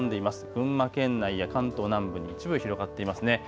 群馬県内や関東南部に一部広がっていますね。